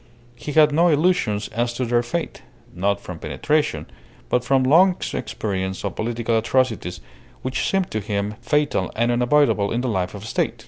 He had no illusions as to their fate, not from penetration, but from long experience of political atrocities, which seemed to him fatal and unavoidable in the life of a State.